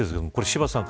柴田さん